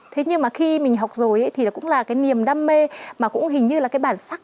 thế nhưng mà khi mình học rồi thì cũng là cái niềm đam mê mà cũng hình như là cái bản sắc